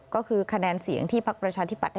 ก็คือคะแนนเสียงที่ภักดิ์ประชาทิบัฐได้รับ